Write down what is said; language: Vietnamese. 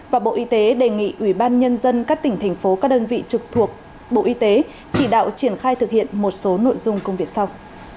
và bộ y tế đề nghị ủy ban nhân dân các tỉnh thành phố các đơn vị trực thuộc bộ y tế chỉ đạo triển khai thực hiện một số nội dung công việc sau